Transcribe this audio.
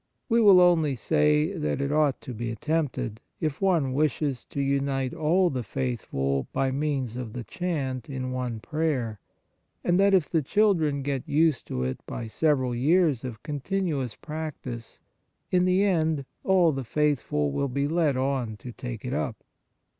We will only say that it ought to be attempted, if one wishes to unite all the faithful by means of the chant in one prayer, and that, if the children get used to it by several years of continuous practice, in the end all the faithful will be led on to take it up.